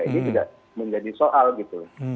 ini juga menjadi soal gitu